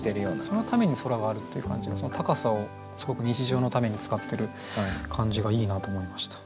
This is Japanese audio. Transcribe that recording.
そのために空があるっていう感じが高さをすごく日常のために使ってる感じがいいなと思いました。